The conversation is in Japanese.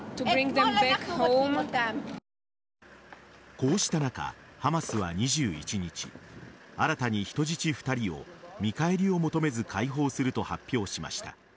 こうした中、ハマスは２１日新たに人質２人を見返りを求めず解放すると発表しました。